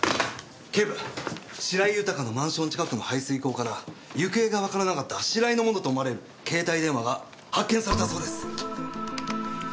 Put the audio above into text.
警部白井豊のマンション近くの排水溝から行方がわからなかった白井のものと思われる携帯電話が発見されたそうです。